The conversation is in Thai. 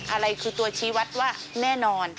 อะไรคือตัวชี้วัดว่าแน่นอน